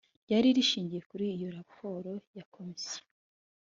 ryari rishingiye kuri iyo raporo ya komisiyo